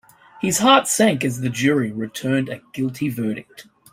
His heart sank as the jury returned a guilty verdict.